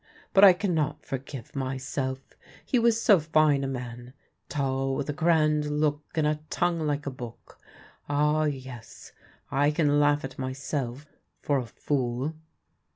But I cannot forgive PARPON THE DWARF 217 myself ; he was so fine a man : tall, with a grand look, and a tongue like a book. Ah, yes, I can laugh at myself — for a fool."